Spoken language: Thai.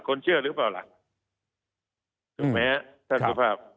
เชื่อหรือเปล่าล่ะถูกไหมฮะท่านสุภาพ